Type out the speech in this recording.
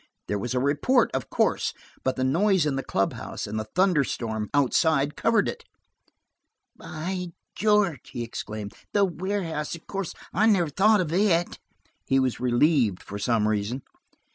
There was a report, of course, but the noise in the clubhouse and the thunder storm outside covered it!" "By George!" he exclaimed. "The warehouse, of course. I never thought of it!" He was relieved, for some reason.